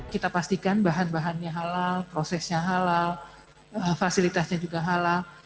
kita pastikan bahan bahannya halal prosesnya halal fasilitasnya juga halal